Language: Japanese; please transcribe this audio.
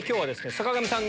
坂上さん